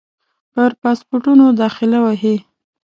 پر پاسپورټونو داخله وهي.